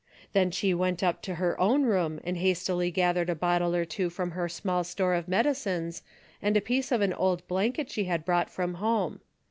Then she went up to her own room and hastily gathered a bottle or two from her small store of medicines and a piece of an old blanket she had brought from home.